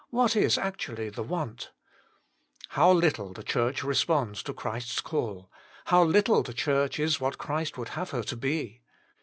What is actually the want ? How little the Church responds to Christ's call ! how little the Church is what Christ would have her to be